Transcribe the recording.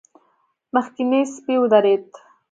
مخکينی سپی ودرېد.